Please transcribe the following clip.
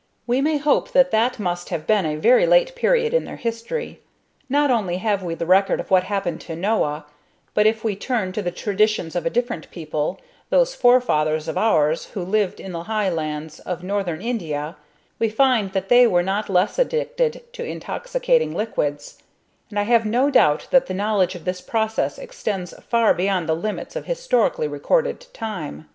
We may hope that that must have been a very late period in their history. Not only have we the record of what happened to Noah, but if we turn to the traditions of a different people, those forefathers of ours who lived in the high lands of Northern India, we find that they were not less addicted to intoxicating liquids; and I have no doubt that the knowledge of this process extends far beyond the limits of historically recorded time.